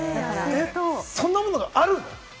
そんなものがあるの？